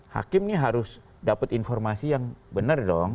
hakim ini harus dapat informasi yang benar dong